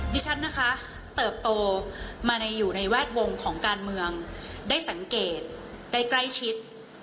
ดิฉันนะคะเติบโตมาในอยู่ในแวดวงของการเมืองได้สังเกตได้ใกล้ชิด